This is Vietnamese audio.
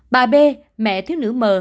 bà b mẹ thiếu nữ m